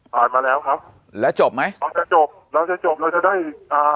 ผ่านมาแล้วครับแล้วจบไหมอ๋อจะจบแล้วจะจบเราจะได้อ่า